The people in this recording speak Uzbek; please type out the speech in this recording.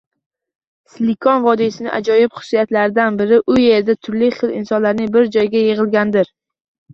Silikon vodiysining ajoyib xususiyatlaridan biri u yerda turfa xil insonlarning bir joyga yigʻilganidir.